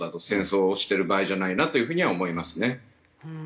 戦争をしてる場合じゃないなという風には思いますね。